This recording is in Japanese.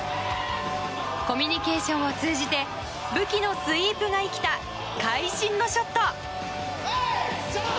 コミュニケーションを通じて武器のスイープが生きた会心のショット。